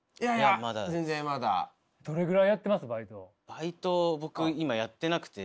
バイト僕今やってなくて。